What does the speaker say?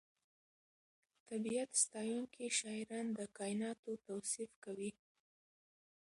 طبیعت ستایونکي شاعران د کائناتو توصیف کوي.